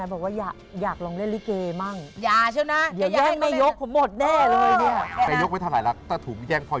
ไม่ยกไว้เท่าไหร่ละถ้าถูกแย่งพ่อยกอาจจะเป็นเรื่อง